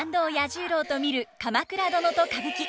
十郎と見る「鎌倉殿」と歌舞伎。